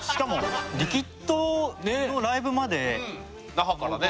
那覇からねえ。